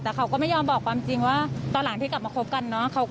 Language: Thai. แต่เขาก็ไม่ยอมบอกความจริงว่าตอนหลังที่กลับมาคบกันเนอะ